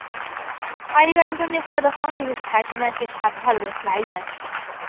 而一个人增进快乐的方式就是排除那些使他不快乐的来源。